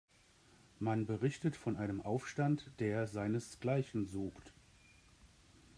Man berichtet von einem Aufstand, der seinesgleichen sucht.